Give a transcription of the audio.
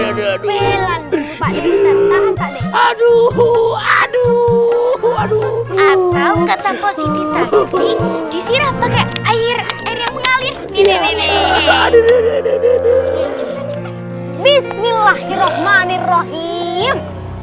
aduh aduh aduh aduh aduh atau kata positif disiram pakai air air yang mengalir bismillahirrohmanirrohim